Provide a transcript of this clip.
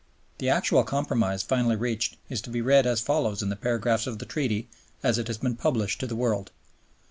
The actual compromise finally reached is to be read as follows in the paragraphs of the Treaty as it has been published to the world.